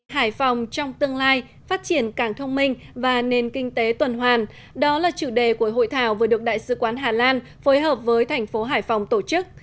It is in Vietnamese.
hải phòng trong tương lai phát triển cảng thông minh và nền kinh tế tuần hoàn đó là chủ đề của hội thảo vừa được đại sứ quán hà lan phối hợp với thành phố hải phòng tổ chức